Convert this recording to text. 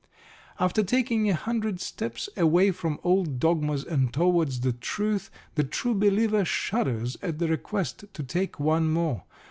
After taking a hundred steps away from old dogmas and towards the truth, the True Believer shudders at the request to take one more.